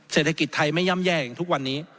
เศรษฐกิจไทยไม่ย่ำแย่อย่างทุกวันนี้